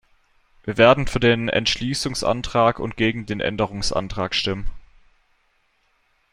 Wir werden für den Entschließungsantrag und gegen den Änderungsantrag stimmen.